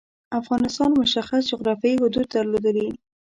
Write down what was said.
افغانستان مشخص جعرافیايی حدود درلودلي.